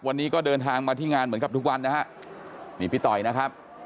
วันนี้ก็เดินทางมาที่งานเหมือนกับทุกวันนะฮะนี่พี่ต่อยนะครับ